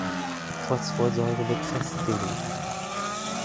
Phosphorsäure wird festgelegt.